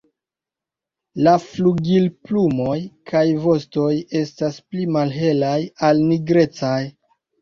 La flugilplumoj kaj vostoj estas pli malhelaj al nigrecaj.